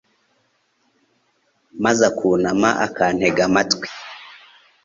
maze akunama akantega amatwi